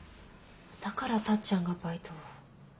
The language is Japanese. だからタッちゃんがバイトを。